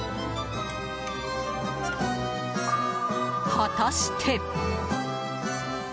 果たして。